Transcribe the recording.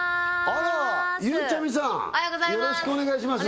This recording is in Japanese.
ゆうちゃみさんよろしくお願いします